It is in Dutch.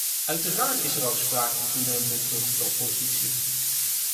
Uiteraard is er ook sprake van toenemende druk op de oppositie.